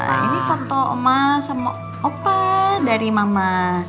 ini foto oma sama opa dari mama